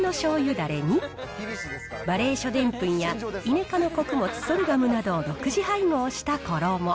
だれに、ばれいしょでんぷんや、イネ科の穀物、ソルガムなどを独自配合した衣。